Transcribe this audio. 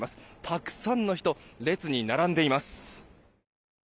たくさんの人列に並んでいます。